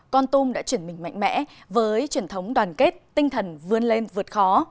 con tum đã chuyển mình mạnh mẽ với truyền thống đoàn kết tinh thần vươn lên vượt khó